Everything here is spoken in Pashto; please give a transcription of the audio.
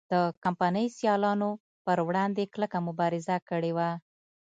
د کمپنۍ سیالانو پر وړاندې کلکه مبارزه کړې وه.